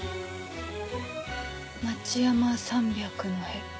「町山３００」の「へ」。